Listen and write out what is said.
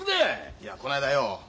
いやこないだよ